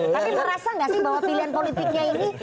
tapi merasa nggak sih bahwa pilihan politiknya ini